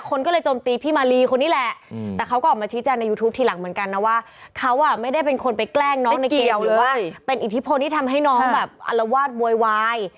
คนก็เลยโจมตีพี่มาลีคนนี้แหละแต่เขาก็ออกมาชี้แจงในยูทูปทีหลังเหมือนกันนะว่าเขาอ่ะไม่ได้เป็นคนไปแกล้งน้องในเกียวหรือว่าเป็นอิทธิพลที่ทำให้น้องแบบอลวาดโวยวาย